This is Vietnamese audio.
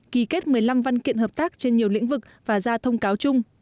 ký kết một mươi năm văn kiện hợp tác trên nhiều lĩnh vực và ra thông cáo chung